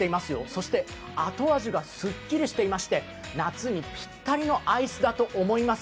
そして後味がすっきりしていて夏にぴったりのアイスだと思います。